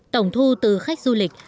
tổng thu từ khách du lịch